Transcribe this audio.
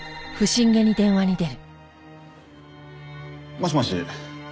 もしもし。